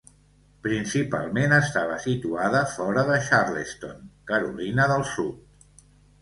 Principalment estava situada fora de Charleston (Carolina del Sud).